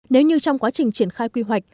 nếu như trong quá trình triển khai quy hoạch